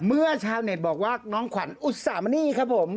ชาวเน็ตบอกว่าน้องขวัญอุตสามณีครับผม